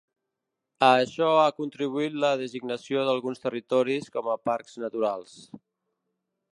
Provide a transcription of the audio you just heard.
A això ha contribuït la designació d'alguns territoris com a parcs naturals.